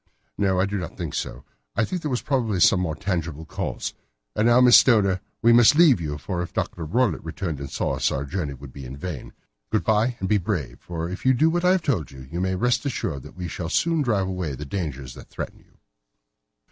"No, I do not think so. I think that there was probably some more tangible cause. And now, Miss Stoner, we must leave you for if Dr. Roylott returned and saw us our journey would be in vain. Good bye, and be brave, for if you will do what I have told you, you may rest assured that we shall soon drive away the dangers that threaten you."